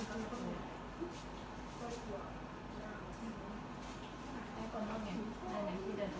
ขอบคุณให้กลับมานี่